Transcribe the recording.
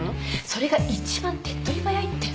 それが一番手っとり早いって。